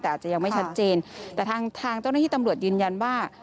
แต่อาจจะยังไม่ชัดเจนแต่ทางทางเจ้าหน้าที่ตำรวจยืนยันว่า